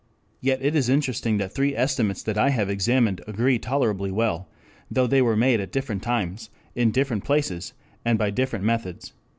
Yet it is interesting that three estimates that I have examined agree tolerably well, though they were made at different times, in different places, and by different methods.